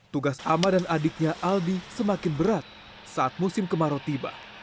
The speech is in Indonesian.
tugas ama dan adiknya aldi semakin berat saat musim kemarau tiba